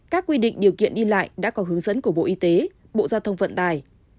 các quy định điều kiện đi lại đã có hướng dẫn của bộ y tế bộ giao thông vận tài